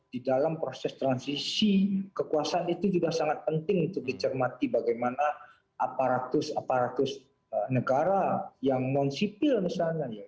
di dalam proses transisi kekuasaan itu juga sangat penting untuk dicermati bagaimana aparatus aparatus negara yang non sipil misalnya ya